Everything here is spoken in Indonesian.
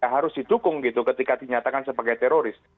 harus didukung gitu ketika dinyatakan sebagai teroris